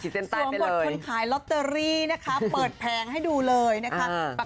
สวมบทคนขายลอตเตอรี่นะคะเปิดแผงให้ดูเลยนะคะ